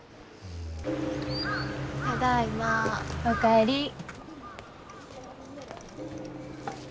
お帰り。